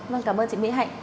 vâng cảm ơn chị mỹ hạnh